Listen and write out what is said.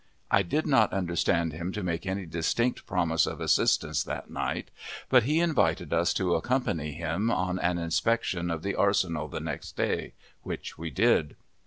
I did not understand him to make any distinct promise of assistance that night, but he invited us to accompany him on an inspection of the arsenal the next day, which we did.